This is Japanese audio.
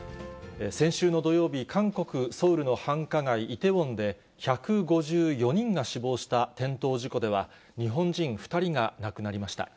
先週の土曜日、韓国・ソウルの繁華街、イテウォンで１５４人が死亡した転倒事故では、日本人２人が亡くなりました。